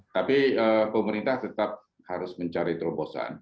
tapi pemerintah tetap harus mencari terobosan